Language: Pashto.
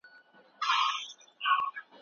ما خپله خور د نوي کور د نندارې لپاره تیاره کړه.